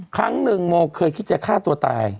ครั้งหนึ่งโมเคยคิดจะฆ่าตัวตาย